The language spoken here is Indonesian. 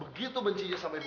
aku benci bapak